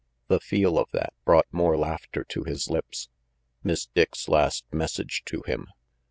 The feel of that brought more laughter to his lips. Miss Dick's last message to him.